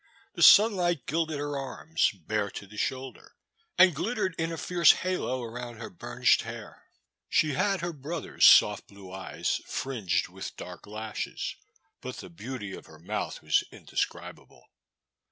The sunlight gilded her arms, bare to the shoulder, and glittered in a fierce halo around her burnished hair. She had her brother's soft blue eyes, fringed with dark lashes, but the beauty of her mouth was indescribable.